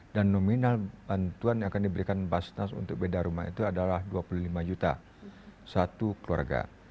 dan nominal bantuan yang akan diberikan basnas untuk bedah rumah itu adalah dua puluh lima juta satu keluarga